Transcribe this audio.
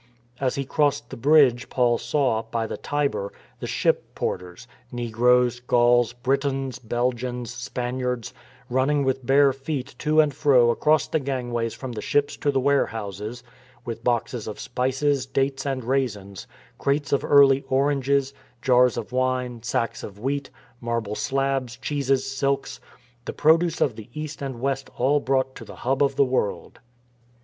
As he crossed the bridge Paul saw, by the Tiber, the ship porters — negroes, Gauls, Britons, Belgians, Spaniards — running with bare feet to and fro across the gang ways from the ships to the warehouses, with boxes of spices, dates, and raisins, crates of early oranges, jars of wine, sacks of wheat; marble slabs, cheeses, silks — the produce of the East and West all brought to the hub of the world.